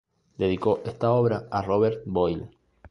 Dedicó esta obra a Robert Boyle.